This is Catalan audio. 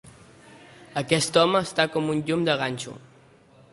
Aquest home està com un llum de ganxo.